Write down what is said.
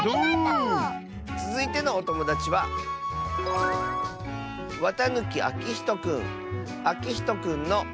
つづいてのおともだちはあきひとくんの。